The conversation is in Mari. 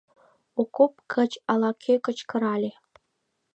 Окоп гыч ала-кӧ кычкырале: